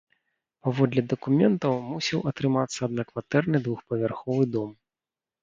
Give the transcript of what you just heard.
Паводле дакументаў, мусіў атрымацца аднакватэрны двухпавярховы дом.